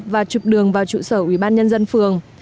và chụp đường vào trụ sở ủy ban nhân dân phường